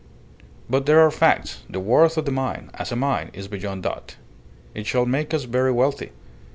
"But there are facts. The worth of the mine as a mine is beyond doubt. It shall make us very wealthy.